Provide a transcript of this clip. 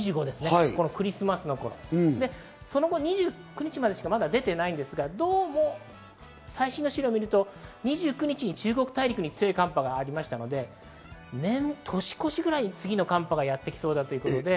その後、２９日までしか出ていないんですが、どうも最新の資料を見ると２９日に中国大陸に強い寒波がありましたので年越しぐらいに次の寒波がやってきそうだということです。